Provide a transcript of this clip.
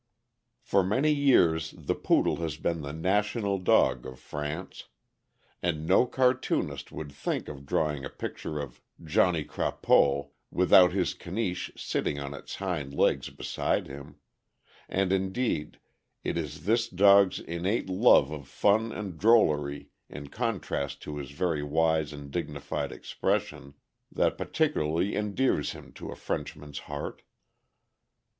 For many years the Poodle has been the national dog of France, and no cartoonist would think of drawing a picture of " Johnny Crapeau" without his Caniche sitting on its hind legs beside him; and indeed it is this dog's innate love of fun and drollery, in contrast to his very wise and dignified expression, that particularly endears him to a Frenchman's heart.